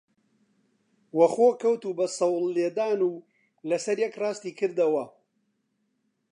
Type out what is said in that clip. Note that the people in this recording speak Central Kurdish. وە خۆ کەوت و بە سەوڵ لێدان و لەسەر یەک ڕاستی کردەوە